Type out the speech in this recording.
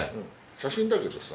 写真だけどさ。